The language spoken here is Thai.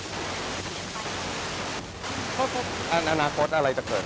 คือเราคุยกันเหมือนเดิมตลอดเวลาอยู่แล้วไม่ได้มีอะไรสูงแรง